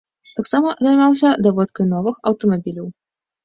Таксама займаўся даводкай новых аўтамабіляў.